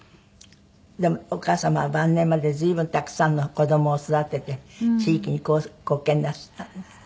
でもお母様は晩年まで随分たくさんの子供を育てて地域に貢献なすったんですって？